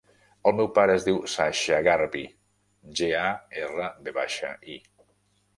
El meu pare es diu Sasha Garvi: ge, a, erra, ve baixa, i.